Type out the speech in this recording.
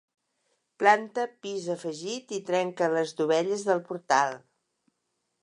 Planta pis afegit i trenca les dovelles del portal.